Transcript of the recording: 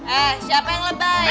eh siapa yang lebay